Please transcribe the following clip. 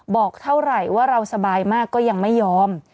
บอกเท่าไหร่ว่าเราสบายมากก็ยังไม่ยอม